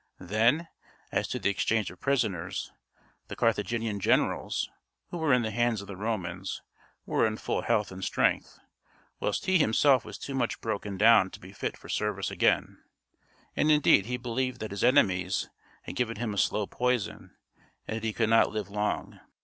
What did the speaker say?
Then, as to the exchange of prisoners, the Carthaginian generals, who were in the hands of the Romans, were in full health and strength, whilst he himself was too much broken down to be fit for service again, and indeed he believed that his enemies had given him a slow poison, and that he could not live long.